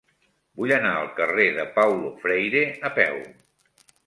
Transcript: Vull anar al carrer de Paulo Freire a peu.